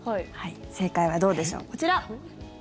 正解はどうでしょう、こちら。